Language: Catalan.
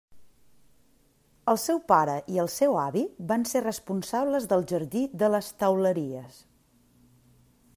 El seu pare i el seu avi van ser responsables del Jardí de les Teuleries.